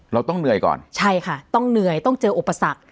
เราต้องเหนื่อยก่อนใช่ค่ะต้องเหนื่อยต้องเจออุปสรรค